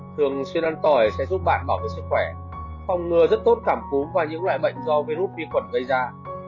thường xuyên ăn còi sẽ giúp bạn bảo vệ sức khỏe phòng ngừa rất tốt cảm cúm và những loại bệnh do virus vi khuẩn gây ra